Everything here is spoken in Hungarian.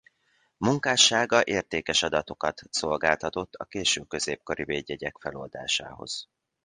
Munkássága értékes adatokat szolgáltatott a késő középkori védjegyek feloldásához.